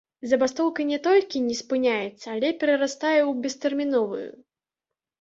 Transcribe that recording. Забастоўка не толькі не спыняецца, але перарастае ў бестэрміновую.